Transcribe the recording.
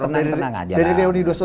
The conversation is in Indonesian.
kita tenang tenang aja